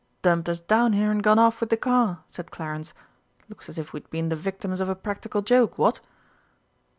"Dumped us down here, and gone off with the car," said Clarence. "Looks as if we'd been the victims of a practical joke, what?"